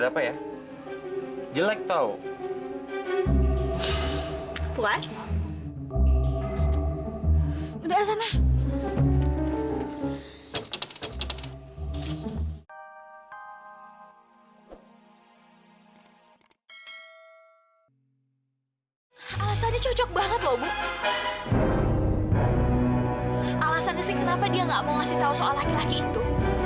alasannya sih kenapa dia gak mau ngasih tau soal laki laki itu